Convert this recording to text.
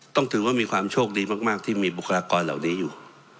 ต้องถือว่ามีความโชคดีมากที่มีบุคลากรเหล่านี้อยู่